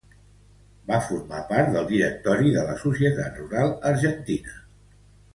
Va formar part del directori de la Societat Rural Argentina.